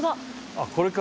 あっこれか。